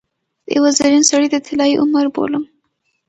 د یوه زرین سړي د طلايي عمر بولم.